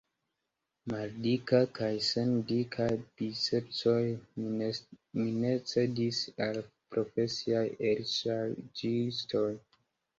Maldika, kaj sen dikaj bicepsoj, mi ne cedis al la profesiaj elŝarĝistoj.